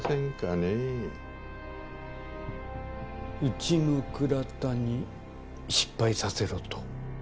うちの倉田に失敗させろと？